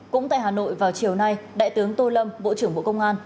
cũng tại hà nội vào chiều nay đại tướng tô lâm bộ trưởng bộ công an